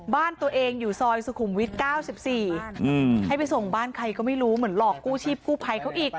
บ้านตัวเองอยู่ซอยสุขุมวิท๙๔ให้ไปส่งบ้านใครก็ไม่รู้เหมือนหลอกกู้ชีพกู้ภัยเขาอีก